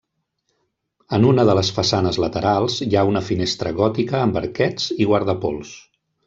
En una de les façanes laterals hi ha una finestra gòtica amb arquets i guardapols.